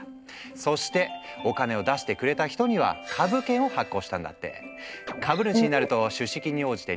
そしてお金を出してくれた人には「株券」を発行したんだって。